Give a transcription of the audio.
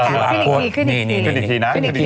ขึ้นอีกที